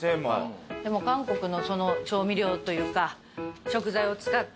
でも韓国のその調味料というか食材を使った。